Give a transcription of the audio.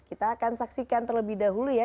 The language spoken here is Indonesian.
kita akan saksikan terlebih dahulu ya